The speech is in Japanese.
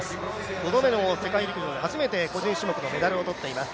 ５度目の世界陸上で初めて個人種目でメダルを取っています。